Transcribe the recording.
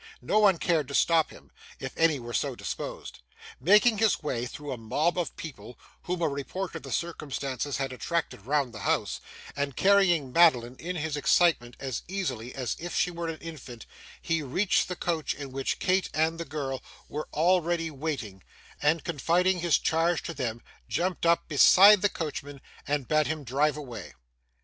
No one cared to stop him, if any were so disposed. Making his way through a mob of people, whom a report of the circumstances had attracted round the house, and carrying Madeline, in his excitement, as easily as if she were an infant, he reached the coach in which Kate and the girl were already waiting, and, confiding his charge to them, jumped up beside the coachman and bade him drive away.